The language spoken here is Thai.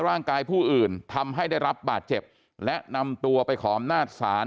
ร่างกายผู้อื่นทำให้ได้รับบาดเจ็บและนำตัวไปขออำนาจศาล